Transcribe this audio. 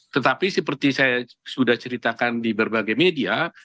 tetapi seperti saya sudah ceritakan di berbagai media